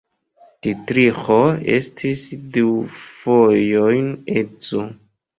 Ditriĥo estis du fojojn edzo.